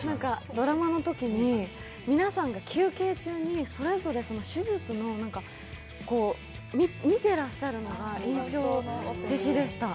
ドラマのときに皆さんが休憩中にそれぞれ手術を見てらっしゃるのが印象的でした。